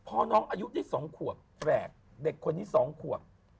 พ่อน้องอายุที่สองขวบแดดเด็กคนที่สองขวบ